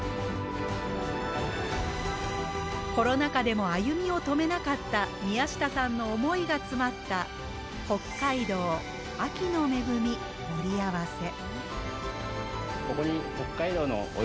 コロナ禍でも歩みを止めなかった宮下さんの思いが詰まった「北海道秋の恵み盛り合わせ」。